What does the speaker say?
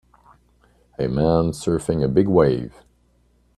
A man surfing a big wave.